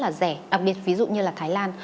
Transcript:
rất là rẻ đặc biệt ví dụ như là thái lan